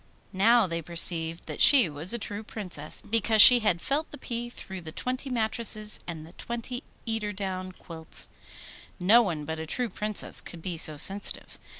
Now they perceived that she was a true Princess, because she had felt the pea through the twenty mattresses and the twenty eider down quilts. No one but a true Princess could be so sensitive.